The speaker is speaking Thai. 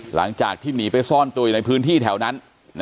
หลังจากที่หนีไปซ่อนตัวอยู่ในพื้นที่แถวนั้น